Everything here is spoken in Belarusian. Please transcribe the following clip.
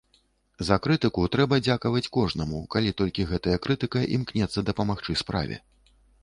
За крытыку трэба дзякаваць кожнаму, калі толькі гэтая крытыка імкнецца дапамагчы справе.